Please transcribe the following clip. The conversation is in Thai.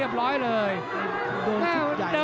โอ้โหโอ้โหโอ้โห